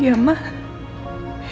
hidup aku penuh ketakutan